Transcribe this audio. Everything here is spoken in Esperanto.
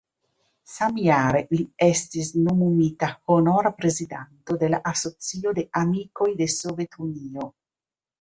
Samjare li estis nomumita honora prezidanto de la Asocio de Amikoj de Sovetunio.